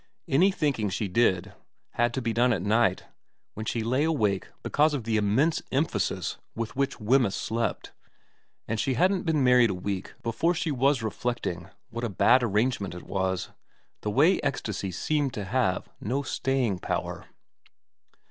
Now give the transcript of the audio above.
Any thinking she did had to be done at night, when she lay awake because of the immense emphasis with which Wemyss slept, and she hadn't been married a week before she was reflecting what a bad arrangement it was, the way ecstasy seemed to have no staying power.